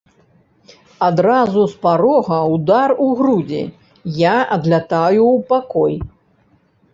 Адразу з парога ўдар у грудзі, я адлятаю ў пакой.